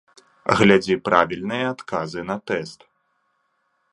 Глядзі правільная адказы на тэст!